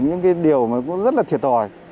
những cái điều mà cũng rất là thiệt hỏi